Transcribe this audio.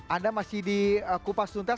anda masih di kupas tuntas